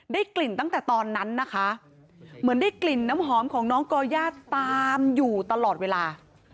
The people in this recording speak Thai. ได้กลิ่นตั้งแต่ตอนนั้นนะคะเหมือนได้กลิ่นน้ำหอมของน้องก่อย่าตามอยู่ตลอดเวลา